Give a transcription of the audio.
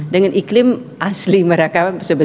dengan iklim asli mereka